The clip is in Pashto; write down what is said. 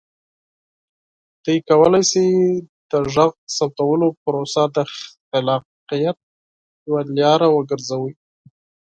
تاسو کولی شئ د غږ ثبتولو پروسه د خلاقیت یوه لاره وګرځوئ.